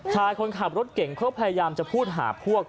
คนขับรถเก่งเขาพยายามจะพูดหาพวก